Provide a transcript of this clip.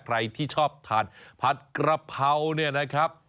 ใครที่ชอบทานผัดกระเพราเนี่ยนะครับ